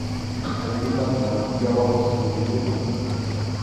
Qʼaytutaqa makillawanpas kʼuyukunam.